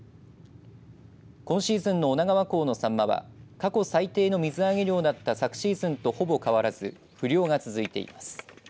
今シーズンの女川港のさんまは過去最低の水揚げ量だった昨シーズンと、ほぼ変わらず不漁が続いています。